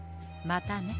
またね。